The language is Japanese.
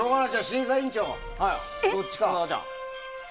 審査員長、どっちか。